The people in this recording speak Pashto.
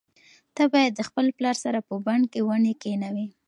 ته باید د خپل پلار سره په بڼ کې ونې کښېنوې.